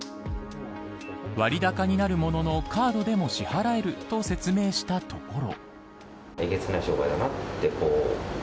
割高になるもののカードでも支払えると説明したところ。